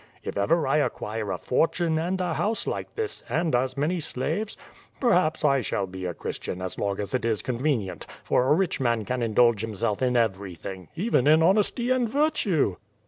If ever I acquire a fortune and a house Uke this, and as many slaves, perhaps I shall be \/^ a Christian as long as it is convenient, for a rich man can in dulge himself in everything, even in honesty and virtue.